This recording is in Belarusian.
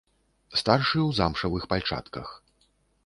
Старшы ў замшавых пальчатках.